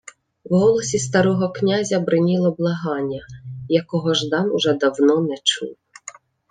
В голосі старого князя бриніло благання, якого Ждан уже давно не чув.